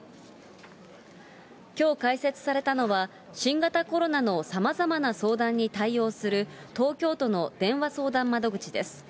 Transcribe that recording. きょう開設されたのは、新型コロナのさまざまな相談に対応する東京都の電話相談窓口です。